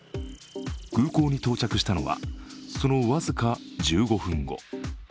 空港に到着したのはその僅か１５分後。